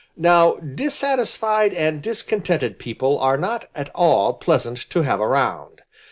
Now dissatisfied and discontented people are not at all pleasant to have around.